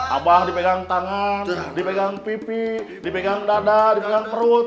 abah dipegang tangan dipegang pipi dipegang dada dipegang perut